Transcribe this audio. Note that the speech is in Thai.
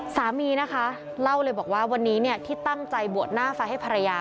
สามีนะคะเล่าเลยบอกว่าวันนี้ที่ตั้งใจบวชหน้าไฟให้ภรรยา